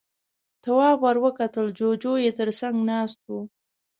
تواب ور وکتل، جُوجُو يې تر څنګ ناست و.